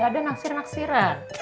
gak ada naksir naksiran